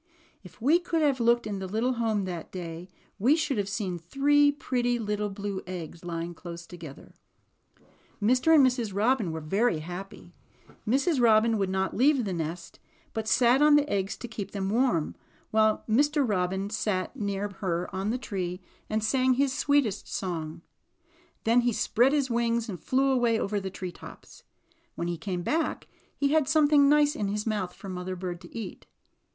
If we could have looked in the little home that day, we should have seen three pretty little blue eggs, lying close together. Mr. and Mrs. Robin were very happy. Mrs. Robin would not leave the nest, but sat on the eggs to keep them warm, while Mr. Robin sat 70 THE ROBINS' HOME. near her on the tree and sang his sweetest song. Then he spread his wings and flew away over ;fche tree tops. When he came back he had something nice in his mouth for Mother Bird to eat.